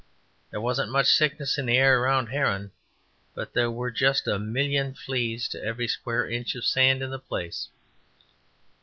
There wasn't much sickness in the air around Herron, but there were just a million fleas to every square inch of sand in the place.